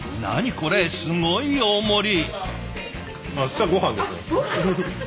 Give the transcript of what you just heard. これすごい大盛り。